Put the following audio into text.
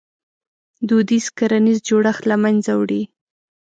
• دودیز کرنیز جوړښت له منځه ولاړ.